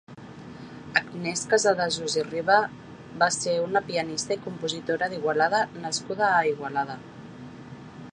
Agnès Casadesús i Riba va ser una pianista i compositora d'Igualada nascuda a Igualada.